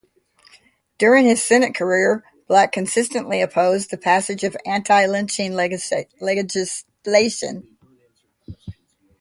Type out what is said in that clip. During his Senate career, Black consistently opposed the passage of anti-lynching legislation.